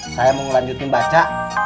saya mau ngelanjutin baca